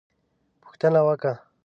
_پوښتنه وکه!